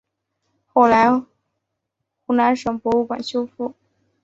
后来由湖南省博物馆修复。